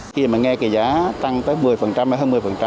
khi mà nghe cái giá tăng tới một mươi hay hơn một mươi